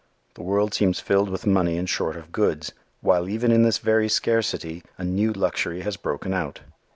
The world seems filled with money and short of goods, while even in this very scarcity a new luxury has broken out.